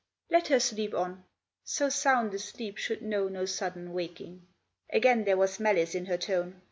" Let her sleep on. So sound a sleep should know no sudden waking." Again there was malice in her tone.